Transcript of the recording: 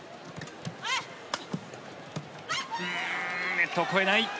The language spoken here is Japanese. ネットを越えない。